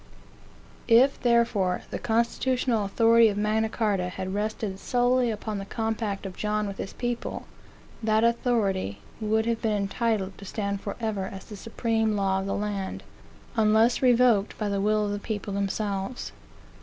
If, therefore, the constitutional authority of Magna Carta had rested solely upon the compact of John with his people, that authority would have been entitled to stand forever as the supreme law of the land, unless revoked by the will of the people themselves.